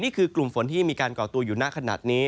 นี่คือกลุ่มฝนที่มีการก่อตัวอยู่ณขนาดนี้